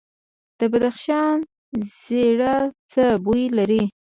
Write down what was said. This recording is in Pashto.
د بدخشان زیره څه بوی لري؟